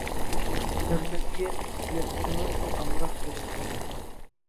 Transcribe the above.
بىر مەزگىل ئىشلەتسىڭىز ئامراق بولۇپ قالىسىز.